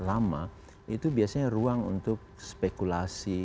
lama itu biasanya ruang untuk spekulasi